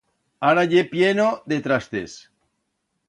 Ara ye plleno de trastes.